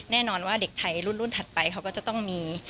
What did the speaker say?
แน่นอนว่าเด็กไทยรุ่นถัดไปเขาก็จะต้องมี